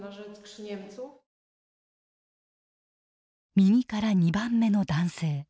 右から２番目の男性。